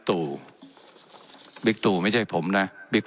และยังเป็นประธานกรรมการอีก